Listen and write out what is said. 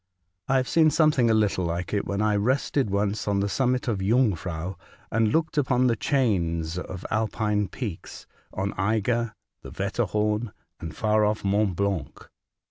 I have seen something a little like it when I rested once on the summit of Jungfrau, and looked upon the chains of Alpine peaks, — on Eiger, the Wetterhorn, and far off Mont Blanc.